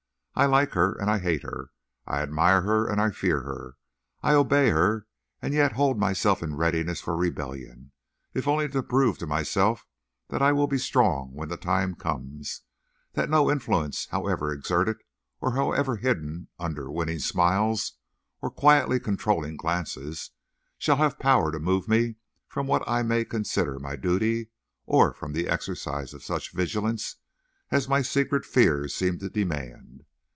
I like her, and I hate her. I admire her, and I fear her. I obey her, and yet hold myself in readiness for rebellion, if only to prove to myself that I will be strong when the time comes; that no influence, however exerted, or however hidden under winning smiles or quietly controlling glances, shall have power to move me from what I may consider my duty, or from the exercise of such vigilance as my secret fears seem to demand.